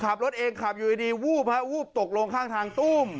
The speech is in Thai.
ขับรถเองขับอยู่ดีวูบฮะวูบตกลงข้างทางตู้ม